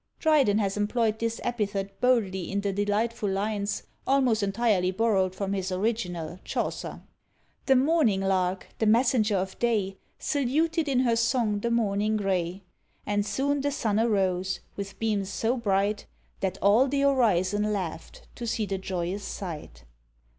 Dryden has employed this epithet boldly in the delightful lines, almost entirely borrowed from his original, Chaucer: The morning lark, the messenger of day, Saluted in her song the morning gray; And soon the sun arose, with beams so bright, That all THE HORIZON LAUGHED to see the joyous sight.